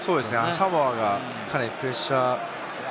サモアはかなりプレッシャー。